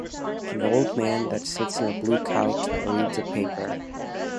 An old man that sits in a blue couch that reads a paper.